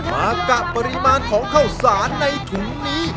มากะปริมาณของข้าวสารในถุงนี้